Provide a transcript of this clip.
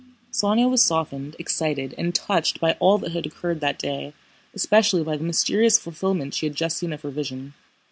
Sónya was softened, excited, and touched by all that had occurred that day, especially by the mysterious fulfillment she had just seen of her vision.